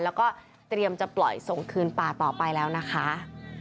แล้วก็เตรียมจะปล่อยส่งคืนป่าต่อไปแล้วนะคะ